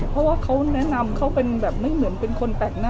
เพราะว่าเขาแนะนำเขาเป็นแบบไม่เหมือนเป็นคนแปลกหน้า